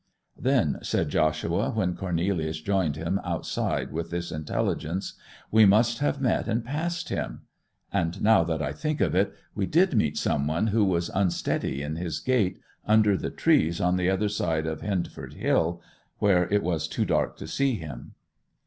'Then,' said Joshua, when Cornelius joined him outside with this intelligence, 'we must have met and passed him! And now that I think of it, we did meet some one who was unsteady in his gait, under the trees on the other side of Hendford Hill, where it was too dark to see him.